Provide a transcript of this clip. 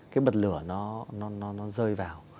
cái bật lửa nó rơi vào